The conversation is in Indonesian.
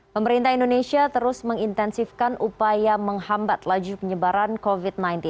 pemerintah indonesia terus mengintensifkan upaya menghambat laju penyebaran covid sembilan belas